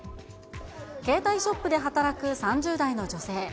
携帯ショップで働く３０代の女性。